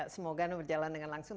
semoga berjalan dengan langsung